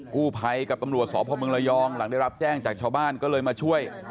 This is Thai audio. กู้ภัยกับตำรวจสพเมืองระยองหลังได้รับแจ้งจากชาวบ้านก็เลยมาช่วย